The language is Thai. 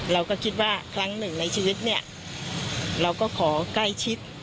เราก็คิดว่าครั้งหนึ่งในชีวิตเนี่ยเราก็ขอใกล้ชิด